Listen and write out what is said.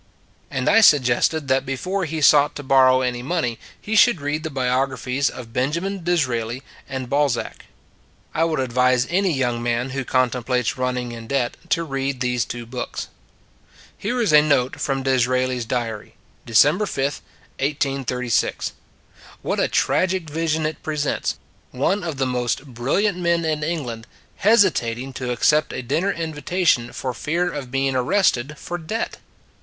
And I suggested that before he sought to borrow any money, he should read the biographies of Benjamin Disraeli and Bal zac. I would advise any young man who con templates running in debt to read these two books. Here is a note from Disraeli s diary, De cember 5, 1836. What a tragic vision it presents one of the most brilliant men in England hesitating to accept a dinner invitation for fear of being arrested for debt!